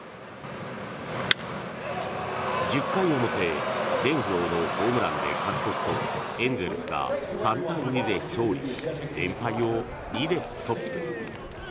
１０回表、レンフローのホームランで勝ち越すとエンゼルスが３対２で勝利し連敗を２でストップ。